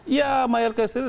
ya mayoritas kota besar